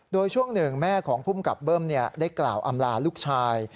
โดยช่วงหนึ่งแม่ของภูมิกับเบิ้มได้กล่าวอำลาลูกชาย